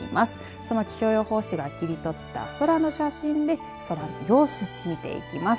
その気象予報士が切り取った空の写真で空の様子見ていきます。